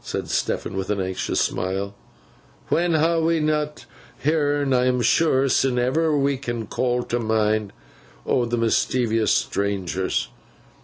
said Stephen, with an anxious smile; 'when ha we not heern, I am sure, sin ever we can call to mind, o' th' mischeevous strangers!